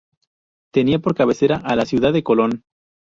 Tenía por cabecera a la ciudad de Colón.